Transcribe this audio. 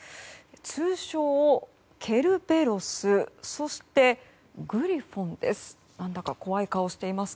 通称ケルベロスそしてグリフォンです。